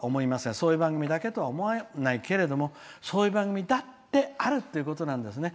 そういう番組だけとは思わないけれどもそういう番組だってあるっていうことなんですね。